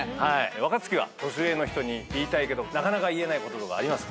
若槻は年上の人に言いたいけどなかなか言えないこととかありますか？